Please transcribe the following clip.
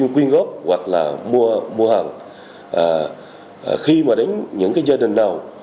quyên góp hoặc là mua hàng khi mà đến những gia đình nào